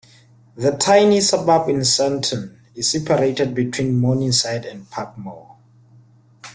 The tiny suburb in Sandton is separated between Morningside and Parkmore.